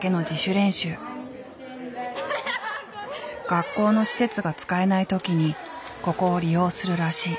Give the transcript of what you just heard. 学校の施設が使えない時にここを利用するらしい。